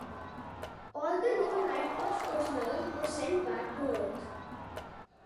All the known Nightwatch personnel were sent back to Earth.